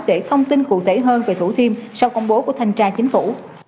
để thông tin cụ thể hơn về thủ thiêm sau công bố của thành trai chính phủ